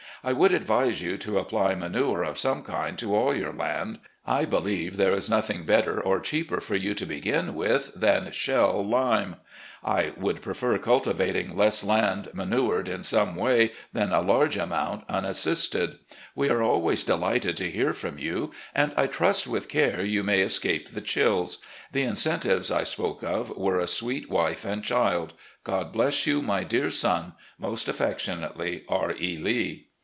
I would advise you to apply mantue of some kind to all your land. I believe there is nothing better or cheaper for you to begin with than shell lime. I would prefer ctiltivating less land manured in some way than a large amount unassisted. We are always delighted to hear from you, and I trust with care you may escape the chills. The incentives I spoke of were a sweet wife and child. God bless you, my dear son. "Most affectionately, "R. E. Lee."